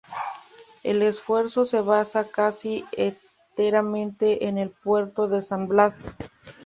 El esfuerzo se basaba casi enteramente en el puerto de San Blas.